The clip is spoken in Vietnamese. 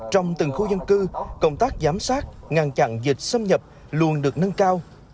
trong từng khu dân cư công tác giám sát ngăn chặn dịch xâm nhập luôn được nâng cao